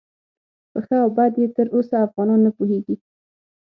په ښه او بد یې تر اوسه افغانان نه پوهیږي.